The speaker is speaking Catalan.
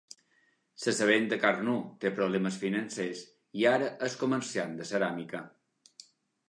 S'assabenta que Arnoux té problemes financer i ara és comerciant de ceràmica.